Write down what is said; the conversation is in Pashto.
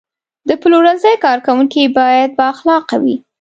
د پلورنځي کارکوونکي باید بااخلاقه وي.